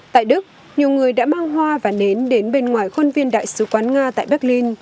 tại đức nhiều người đã mang hoa và nến đến bên ngoài khuôn viên đại sứ quán nga tại berlin